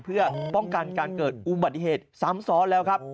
เพื่อป้องกันการเกิดอุบัติเหตุซ้ำซ้อนแล้วครับ